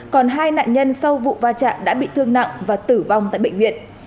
còn hai nạn nhân sau vụ va chạm đã bị thương nặng và tử vong tại bệnh viện